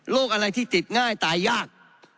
อะไรที่ติดง่ายตายยาก